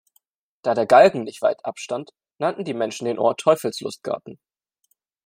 Da der Galgen nicht weit ab stand, nannten die Menschen den Ort „Teufels Lustgarten“.